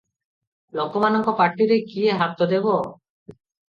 ଲୋକମାନଙ୍କ ପାଟିରେ କିଏ ହାତଦେବ?